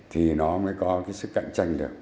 thì nó mới có cái sức cạnh tranh được